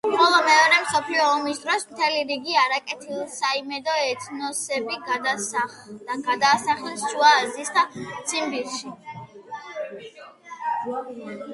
ხოლო მეორე მსოფლიო ომის დროს მთელი რიგი არაკეთილსაიმედო ეთნოსები გადაასახლეს შუა აზიასა და ციმბირში.